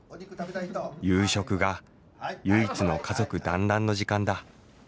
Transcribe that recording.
夕食が唯一の家族団らんの時間だ。